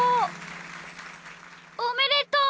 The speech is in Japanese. おめでとう！